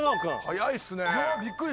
速いっすね。